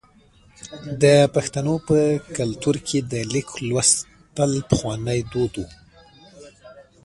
د پښتنو په کلتور کې د لیک لوستل پخوانی دود و.